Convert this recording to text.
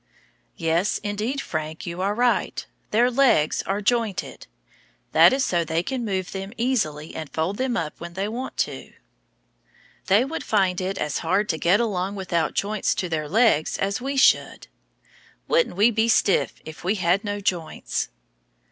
Yes, indeed, Frank, you are right; their legs are jointed. That is so they can move them easily and fold them up when they want to. They would find it as hard to get along without joints to their legs as we should. Wouldn't we be stiff if we had no joints!